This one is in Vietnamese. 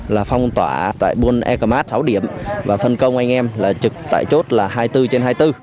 là phong tỏa tại buôn ecam át sáu điểm và phân công anh em là trực tại chốt là hai mươi bốn trên hai mươi bốn